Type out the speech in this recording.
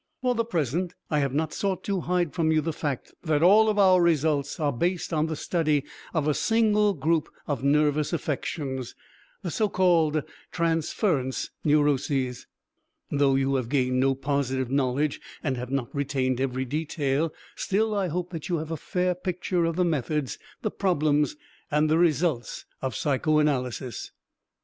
For the present I have not sought to hide from you the fact that all our results are based on the study of a single group of nervous affections, the so called transference neuroses. Though you have gained no positive knowledge and have not retained every detail, still I hope that you have a fair picture of the methods, the problems and the results of psychoanalysis.